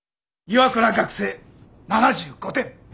岩倉学生７５点！